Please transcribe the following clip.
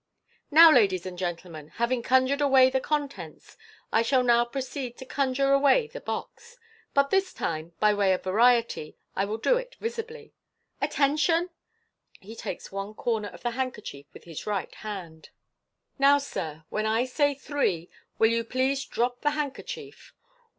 "Now, ladies and gentlemen, having conjured away the contents, I shall now proceed to conjure away the box j but this time, by way of variety, I will do it visibly. Atten tion 1 " He takes one corner of the handkerchief with his right hand. MODERN MA GIC 419 * Now, sir, when I say 'Three/ will you please drop the handker chief.